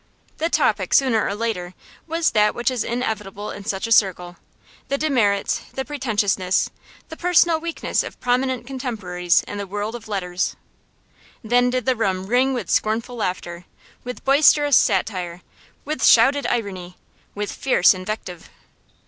The topic, sooner or later, was that which is inevitable in such a circle the demerits, the pretentiousness, the personal weaknesses of prominent contemporaries in the world of letters. Then did the room ring with scornful laughter, with boisterous satire, with shouted irony, with fierce invective.